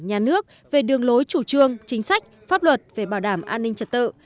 nhà nước về đường lối chủ trương chính sách pháp luật về bảo đảm an ninh trật tự